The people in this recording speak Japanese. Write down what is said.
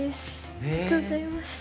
ありがとうございます。